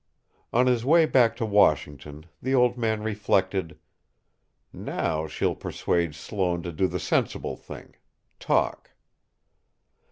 On his way back to Washington, the old man reflected: "Now, she'll persuade Sloane to do the sensible thing talk."